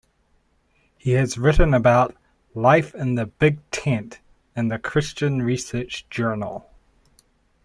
He has written about "Life in the Big Tent" in the Christian Research Journal.